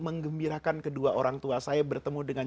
mengembirakan kedua orang tua saya bertemu dengan